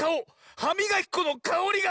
はみがきこのかおりが！